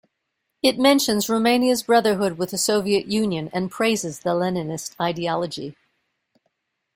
It mentions Romania's brotherhood with the Soviet Union and praises the Leninist ideology.